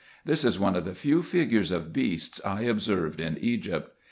This is one of the few figures of beasts I observed in Egypt.